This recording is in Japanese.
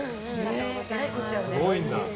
えらいこっちゃよね。